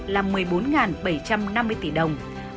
là một mươi bốn bảy trăm năm mươi tỷ đồng